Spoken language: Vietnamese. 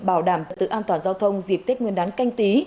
hà nội đã tổ chức lễ gia quân năm an toàn giao thông dịp tết nguyên đáng canh tí